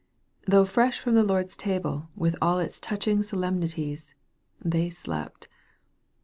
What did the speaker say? Though fresh from the Lord's table, with all its touching solemnities, they slept.